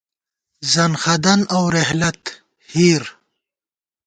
زنخدَن اؤ رحلت(ہِیر)